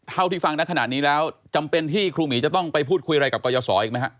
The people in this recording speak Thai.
เท่าที่ฟังนะขนาดนี้แล้วจำเป็นที่ครูหมีจะต้องไปพูดคุยอะไรกับกรยศอีกไหมฮะ